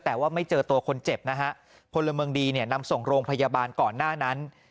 แต่ว่าไม่เจอตัวคนเจ็บนะฮะพลเมืองดีเนี่ยนำส่งโรงพยาบาลก่อนหน้านั้น